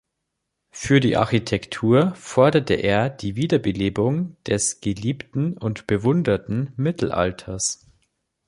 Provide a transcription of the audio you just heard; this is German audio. Für die Architektur forderte er die Wiederbelebung des „geliebten und bewunderten Mittelalters“.